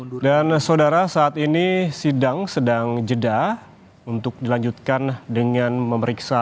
dan saudara saat ini sedang jeda untuk dilanjutkan dengan memeriksa